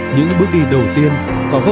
những bước đi đầu tiên có hết sức khỏe